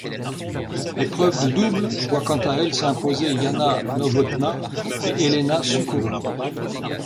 L'épreuve de double voit quant à elle s'imposer Jana Novotná et Helena Suková.